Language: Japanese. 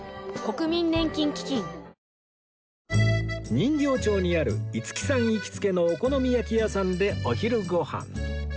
人形町にある五木さん行きつけのお好み焼き屋さんでお昼ご飯